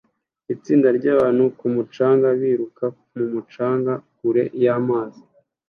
Itsinda ryabantu ku mucanga biruka mumucanga kure y'amazi